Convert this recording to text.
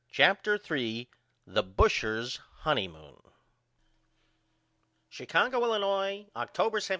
CHAPTER III The Busher's Honeymoon Chicago, Illinois, October 17.